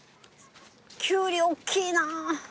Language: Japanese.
キュウリおっきいな。